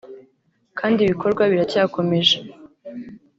kandi ibikorwa biracyakomeje